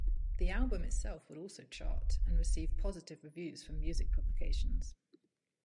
The album itself would also chart and receive positive reviews from music publications.